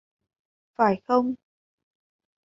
Phải không